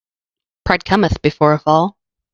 Pride cometh before a fall.